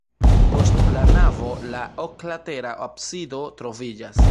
Post la navo la oklatera absido troviĝas.